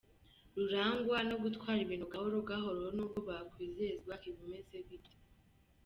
Rurangwa no gutwara ibintu gahoro gahoro nubwo bakwizezwa ibimeze bite.